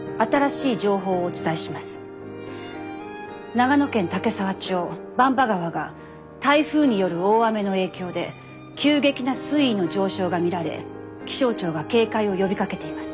長野県岳沢町番場川が台風による大雨の影響で急激な水位の上昇が見られ気象庁が警戒を呼びかけています。